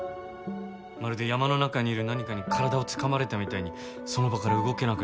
まるで山の中にいる何かに体をつかまれたみたいにその場から動けなくなって。